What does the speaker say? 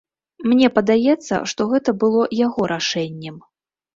Мне падаецца, што гэта было яго рашэннем.